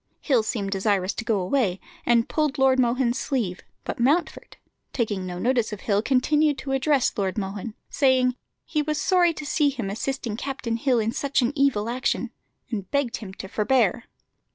Hill seemed desirous to go away, and pulled Lord Mohun's sleeve; but Mountfort, taking no notice of Hill, continued to address Lord Mohun, saying he was sorry to see him assisting Captain Hill in such an evil action, and begging him to forbear.